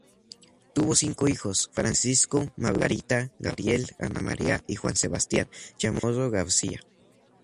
Tuvo cinco hijos, Francisco, Margarita, Gabriel, Ana María y Juan Sebastián Chamorro García.